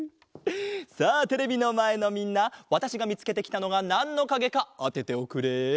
さあテレビのまえのみんなわたしがみつけてきたのがなんのかげかあてておくれ。